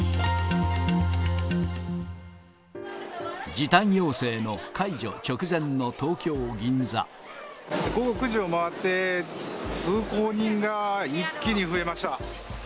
時短要請の解除直前の東京・午後９時を回って、通行人が一気に増えました。